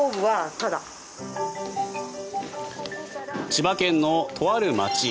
千葉県の、とある町。